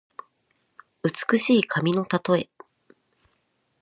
美しい髪のたとえ。